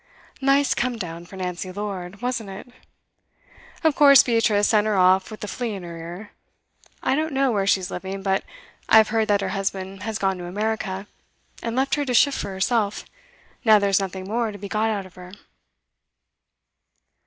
Nice come down for Nancy Lord, wasn't it? Of course Beatrice sent her off with a flea in her ear. I don't know where she's living, but I've heard that her husband has gone to America, and left her to shift for herself, now there's nothing more to be got out of her.